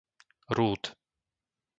Rút